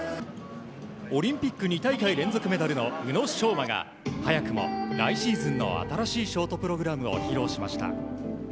オリンピック２大会連続メダルの宇野昌磨が早くも来シーズンの新しいショートプログラムを披露しました。